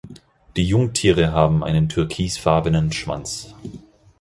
Die Jungtiere haben einen türkisfarbenen Schwanz.